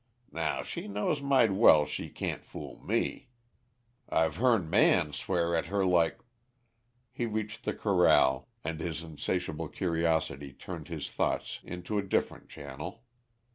Now, she knows might' well she can't fool me. I've hearn Man swear at her like " He reached the corral, and his insatiable curiosity turned his thoughts into a different channel.